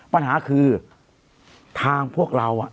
ปัญหาคือทางพวกเรา